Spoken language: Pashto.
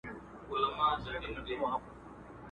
په منډه ولاړه ویل ابتر یې!.